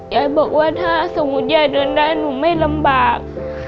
ยายบอกว่าถ้าสมมุติยายเดินได้หนูไม่ลำบาก